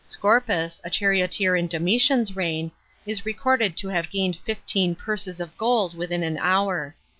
Scorpus, a charioteer in Domitian's reign, is recorded to havegain«d fifteen purses of gold within an hour.